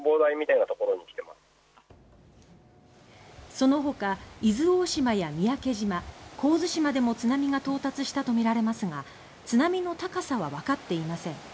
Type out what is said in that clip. そのほか伊豆大島や三宅島神津島でも津波が到達したとみられますが津波の高さはわかっていません。